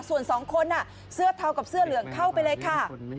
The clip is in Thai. ส่วนสองคนเสื้อเทากับเสื้อเหลืองเข้าไปเลยค่ะ